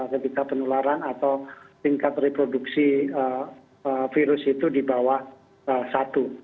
ketika penularan atau tingkat reproduksi virus itu di bawah satu